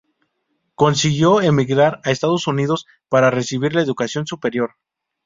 Consiguió emigrar a Estados Unidos para recibir la educación superior.